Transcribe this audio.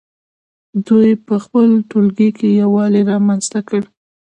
دوی په خپل ټولګي کې یووالی رامنځته کړ.